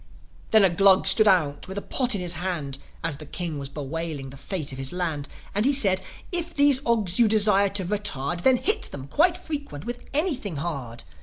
Then a Glug stood out with a pot in his hand, As the King was bewailing the fate of his land, And he said, "If these Ogs you desire to retard, Then hit them quite frequent with anything hard."